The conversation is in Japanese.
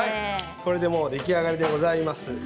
これでもう出来上がりでございます。